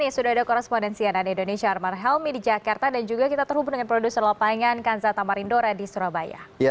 sudah ada korespondensianan indonesia arman helmi di jakarta dan juga kita terhubung dengan produser lapangan kanza tamarindo redi surabaya